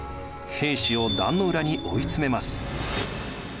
平氏を壇の浦に追い詰めます。